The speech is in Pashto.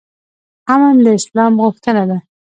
امن د اسلام غوښتنه ده